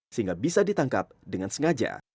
sehingga bisa ditangkap dengan sengaja